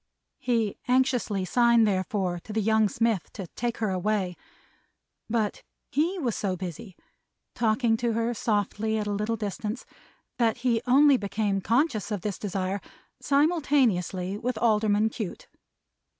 He anxiously signed, therefore, to the young smith, to take her away. But he was so busy, talking to her softly at a little distance, that he only became conscious of this desire, simultaneously with Alderman Cute.